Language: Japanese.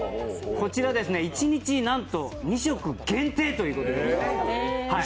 こちら、一日なんと２食限定ということでございます。